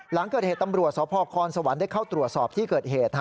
หลังเกิดเหตุตำรวจสพคสวรรค์ได้เข้าตรวจสอบที่เกิดเหตุ